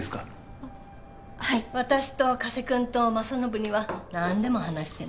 あっはい私と加瀬君と政信には何でも話してね